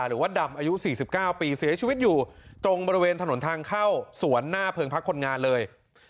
หรือว่าดำอายุ๔๙ปีเสียชีวิตอยู่ตรงบริเวณถนนทางเข้าสวนหน้าเพิงพักคนงานเลย